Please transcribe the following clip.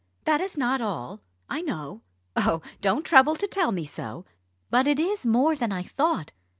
That is not all, I know oh! don't trouble to tell me so! but it is more than I thought.